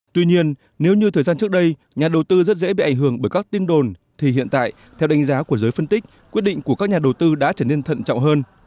tuy nhiên nếu như thời gian trước đây nhà đầu tư rất dễ bị ảnh hưởng bởi các tin đồn thì hiện tại theo đánh giá của giới phân tích quyết định của các nhà đầu tư đã trở nên thận trọng hơn